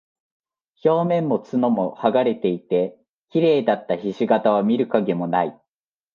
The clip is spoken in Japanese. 表面も角も剥がれていて、綺麗だった菱形は見る影もない。